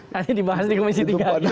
nanti dibahas di komisi tiga lagi